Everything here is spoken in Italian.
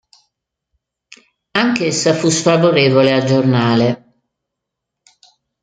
Anch'essa fu sfavorevole al giornale.